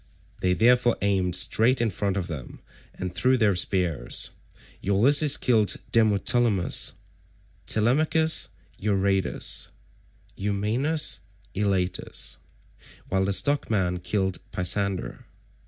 They therefore aimed straight in front of them and threw their spears. Ulysses killed Demoptolemus, Telemachus Euryades, Eumaeus Elatus, while the stockman killed Pisander.